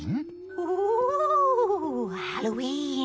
う！ハロウィーン？